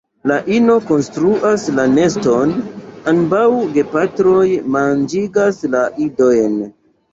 La ino konstruas la neston; ambaŭ gepatroj manĝigas la idojn.